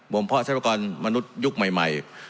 บมพ่อใช้พระกรมนุษยุคใหม่